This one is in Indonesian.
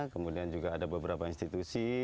kemudian juga ada beberapa institusi